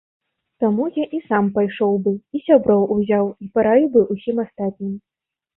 Таму я і сам пайшоў бы, і сяброў узяў і параіў бы ўсім астатнім.